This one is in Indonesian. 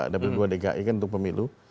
dapil dua dki kan untuk pemilu